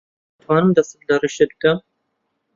دەتوانم دەست لە ڕیشت بدەم؟